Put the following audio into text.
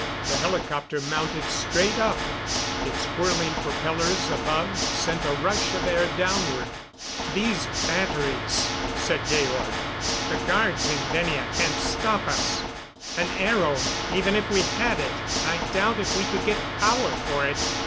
The helicopter mounted straight up; its whirling propellers above sent a rush of air downward. "These batteries," said Georg. "The guards in Venia can't stop us. An aero even if we had it I doubt if we could get power for it.